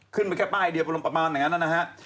ขึ้นไปแค่ป้ายเดียวประมาณโดยเงินนะฮะ